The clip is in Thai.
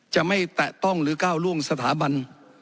จะไม่แตะต้องหรือก้าวล่วงสถาบัน